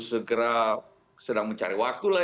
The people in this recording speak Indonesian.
segera sedang mencari waktulah